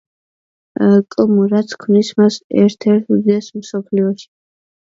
კმ, რაც ქმნის მას ერთ-ერთ უდიდესს მსოფლიოში.